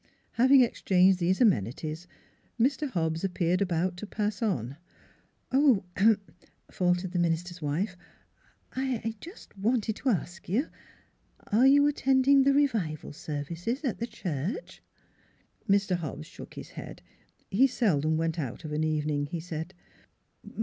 Having exchanged these amenities, Mr. Hobbs appeared about to pass on. " Oh h," faltered the minister's wife. " I I just wanted to ask you : are you attending the revival services at the church? " Mr. Hobbs shook his head. He seldom went out of an evening, he said.